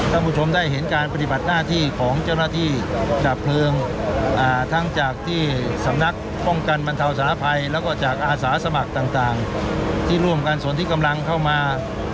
ท่านผู้ชมได้เห็นการปฏิบัติหน้าที่ของเจ้าหน้าที่ดับเพลิงทั้งจากที่สำนักป้องกันบรรเทาสารภัยแล้วก็จากอาสาสมัครต่างที่ร่วมกันส่วนที่กำลังเข้ามา